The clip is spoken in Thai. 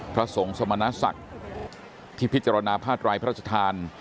พระสงฆ์สมณศักดิ์ที่พิจารณาพาดรายพระราชทาน